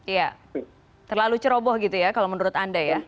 iya terlalu ceroboh gitu ya kalau menurut anda ya